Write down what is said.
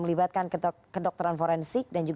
melibatkan kedokteran forensik dan